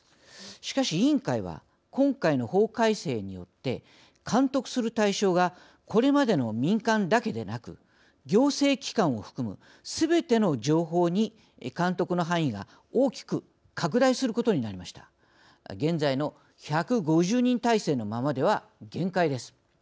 しかし、委員会は今回の法改正によって監督する対象がこれまでの民間だけでなく行政機関を含むすべての情報に監督の範囲が大きく拡大することになりました。